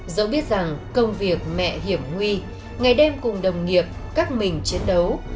dẫu biết rằng công việc mẹ hiểm nguy ngày đêm cùng đồng nghiệp căng mình chiến đấu